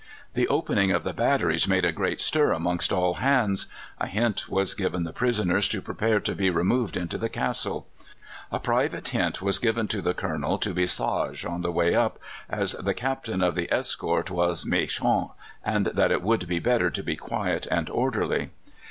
The opening of the batteries made a great stir amongst all hands. A hint was given the prisoners to prepare to be removed into the castle. A private hint was given to the Colonel to be sage on the way up, as the Captain of the escort was méchant, and that it would be better to be quiet and orderly.